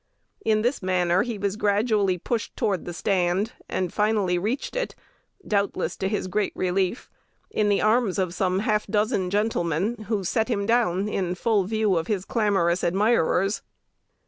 In this manner he was gradually pushed toward the stand, and finally reached it, doubtless to his great relief, "in the arms of some half dozen gentlemen," who set him down in full view of his clamorous admirers.